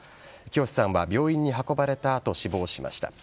喜好さんは病院に運ばれた後、死亡しました。